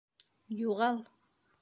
Юғал!